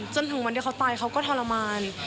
จนถึงวันที่เขาตายเขาก็ทรมาน